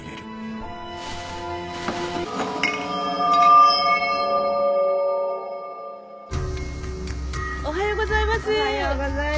・おはようございます。